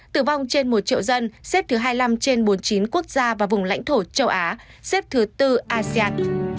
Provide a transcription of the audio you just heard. tử vong trên một triệu dân xếp thứ hai mươi năm trên bốn mươi chín quốc gia và vùng lãnh thổ châu á xếp thứ tư asean